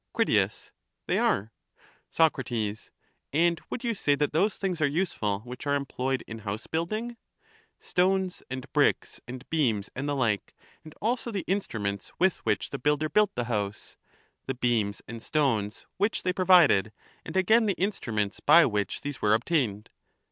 Crit. They are. Soc. And would you say that those things are useful which are employed in house building, — stones and bricks and beams and the like, and also the instruments with which the The elements of wealth are infinite. '~ builder built the house, the beams and stones which they Ery* provided, and again the instruments by which these obtained?